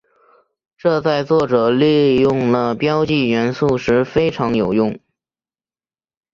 这在作者利用了标记元素时非常有用。